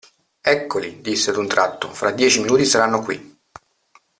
Eccoli, disse ad un tratto, fra dieci minuti saranno qui.